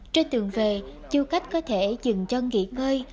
trên tường về du khách có thể dừng chân nghỉ ngơi